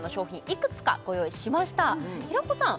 いくつかご用意しました平子さん